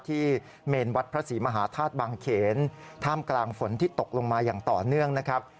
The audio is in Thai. เมนวัดพระศรีมหาธาตุบางเขนท่ามกลางฝนที่ตกลงมาอย่างต่อเนื่องนะครับ